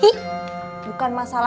ini enggak sama sama